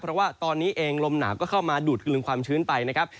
เพราะว่าตอนนี้เองลมหนาวก็เข้ามาดูดกลึงความชื้นไปนะครับ